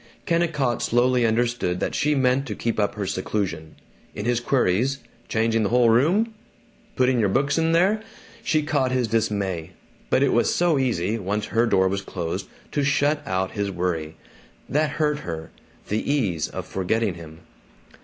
Kennicott slowly understood that she meant to keep up her seclusion. In his queries, "Changing the whole room?" "Putting your books in there?" she caught his dismay. But it was so easy, once her door was closed, to shut out his worry. That hurt her the ease of forgetting him.